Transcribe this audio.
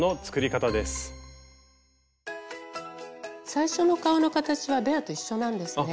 最初の顔の形はベアと一緒なんですね。